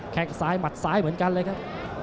แค่งซ้ายหมัดซ้ายเหมือนกันเลยครับ